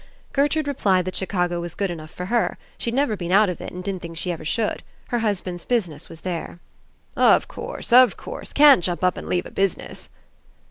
Gertrude replied that Chicago was good enough for her. She'd never been out of it and didn't think she ever should. Her hus band's business was there. "Of course, of course. Can't jump up and leave a business."